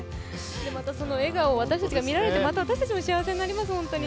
またその笑顔を私たちが見られて、私たちも幸せになります。